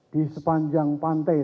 di sepanjang pantai